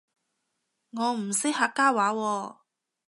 我唔識客家話喎